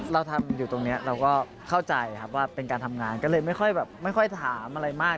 เราทำอยู่ตรงนี้เราก็เข้าใจครับว่าเป็นการทำงานก็เลยไม่ค่อยแบบไม่ค่อยถามอะไรมาก